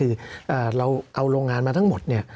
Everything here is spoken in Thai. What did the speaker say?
สำหรับกำลังการผลิตหน้ากากอนามัย